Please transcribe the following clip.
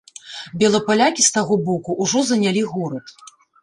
Белапалякі з таго боку ўжо занялі горад.